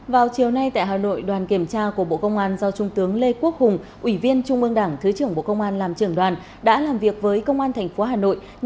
vào chiều nay tại hà nội đoàn kiểm tra của bộ công an do trung tướng lê quốc hùng ủy viên trung ương đảng thứ trưởng bộ công an làm trưởng đoàn đã làm việc với công an tp hà nội